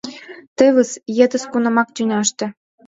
Тевыс, етыз кунамак тӱняште